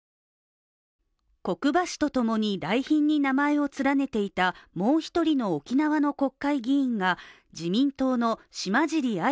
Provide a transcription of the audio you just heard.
國場氏とともに来賓に名前を連ねていたもう一人の沖縄の国会議員が自民党の島尻安